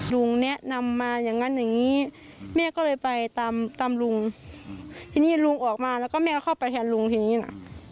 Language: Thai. ลุงแนะนำมาอย่างงั้นอย่างงี้แม่ก็เลยไปตามตามลุงทีนี้ลุงออกมาแล้วก็แม่เข้าไปแทนลุงทีนี้น่ะ